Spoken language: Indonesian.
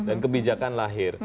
dan kebijakan lahir